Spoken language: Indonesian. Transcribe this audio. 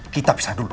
kita pisah dulu